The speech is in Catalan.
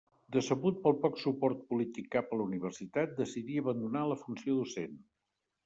Decebut pel poc suport polític cap a la universitat, decidí abandonar la funció docent.